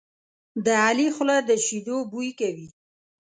د علي خوله د شیدو بوی کوي.